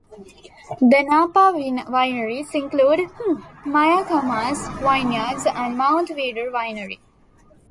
The Napa wineries included Mayacamas Vineyards and Mount Veeder Winery.